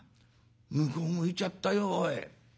向こう向いちゃったよおい」。